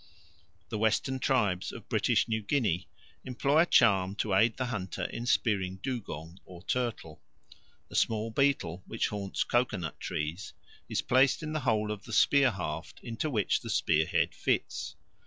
The western tribes of British New Guinea employ a charm to aid the hunter in spearing dugong or turtle. A small beetle, which haunts coco nut trees, is placed in the hole of the spear haft into which the spear head fits.